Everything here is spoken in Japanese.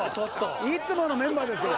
いつものメンバーですけど！